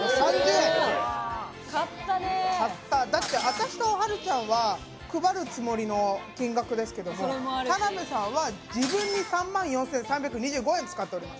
私とはるちゃんは配るつもりの金額ですけど、田辺さんは自分に３万４３２５円使っております。